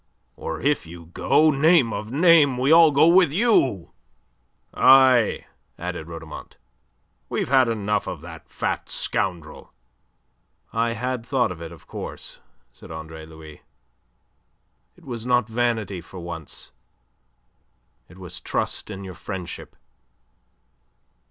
Or if you go, name of a name! we all go with you!" "Aye," added Rhodomont, "we've had enough of that fat scoundrel." "I had thought of it, of course," said Andre Louis. "It was not vanity, for once; it was trust in your friendship.